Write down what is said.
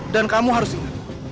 dan kamu harus ingat